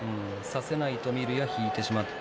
差せないと見るや引いてしまった。